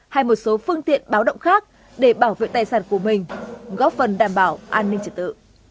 hay một số phương tiện báo động khác để bảo vệ tài sản của mình góp phần đảm bảo an ninh trật tự